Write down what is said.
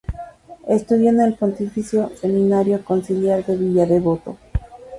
Estudió en el Pontificio Seminario Conciliar de Villa Devoto.